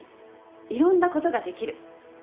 いろんなことができる。